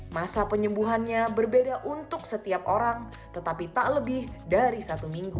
masa penyembuhannya berbeda untuk setiap orang tetapi tak lebih dari satu minggu